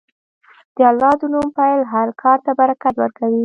د الله د نوم پیل هر کار ته برکت ورکوي.